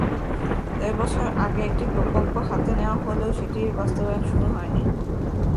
দেড় বছর আগে একটি প্রকল্প হাতে নেওয়া হলেও সেটির বাস্তবায়ন শুরু হয়নি।